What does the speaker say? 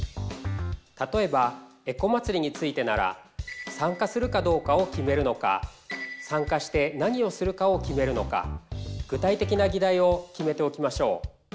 例えばエコまつりについてなら参加するかどうかを決めるのか参加して何をするかを決めるのか具体的な議題を決めておきましょう。